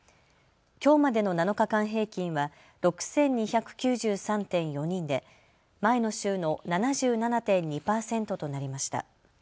きょうまでの７日間平均は６２９３．４人で前の週の７７．２％となりました。